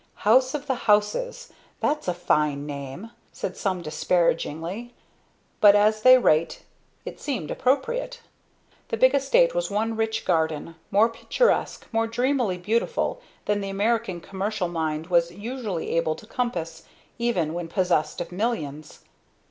"House of the Houses! That's a fine name!" said some disparagingly; but, at any rate, it seemed appropriate. The big estate was one rich garden, more picturesque, more dreamily beautiful, than the American commercial mind was usually able to compass, even when possessed of millions.